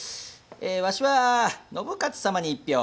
ワシは信雄様に１票。